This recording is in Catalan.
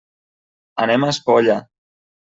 Anem a Espolla.